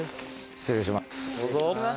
失礼します。